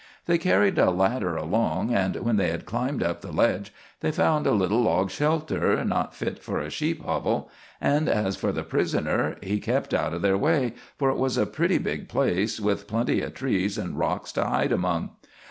"They carried a ladder along, and when they had climbed up the ledge they found a little log shelter not fit for a sheep hovel; and as for the prisoner, he kept out of their way, for it was a pretty big place, with plenty of trees and rocks to hide among.